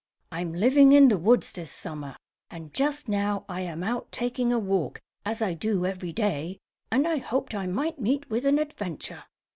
"I'm living in the woods this Summer and just now I am out taking a walk, as I do every day, and I hoped I might meet with an adventure.